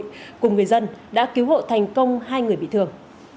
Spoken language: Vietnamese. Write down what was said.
cùng người dân đã cứu hộ thành công hai người bị thương